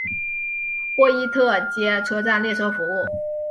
霍伊特街车站列车服务。